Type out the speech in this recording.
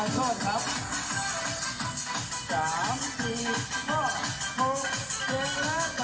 สามสี่ห้าหกเกิดละแปด